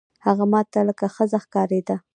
هغه ما ته لکه ښځه ښکارېده.